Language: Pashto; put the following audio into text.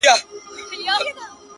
• وړونه مي ټول د ژوند پر بام ناست دي.